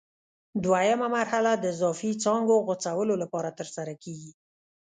دوه یمه مرحله د اضافي څانګو غوڅولو لپاره ترسره کېږي.